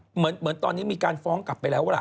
เหมือนตอนนี้มีการฟ้องกลับไปแล้วล่ะ